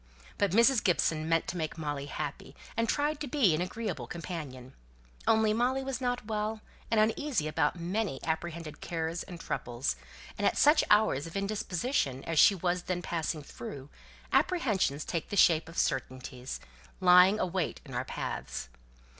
But Mrs. Gibson really meant to make Molly happy, and tried to be an agreeable companion, only Molly was not well, and was uneasy about many apprehended cares and troubles and at such hours of indisposition as she was then passing through, apprehensions take the shape of certainties, lying await in our paths.